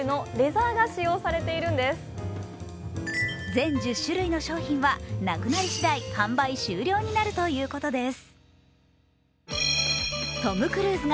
全１０種類の商品はなくなり次第販売終了になるということです。